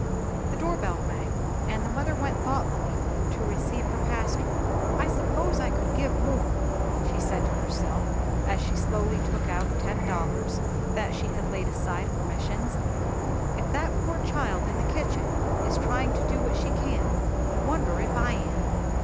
The doorbell rang, and the mother went thoughtfully to receive her pastor. "I suppose I could give more," she said to herself, as she slowly took out the ten dollars that she had laid aside for missions. "If that poor child in the kitchen is trying to do what she can, I wonder if I am.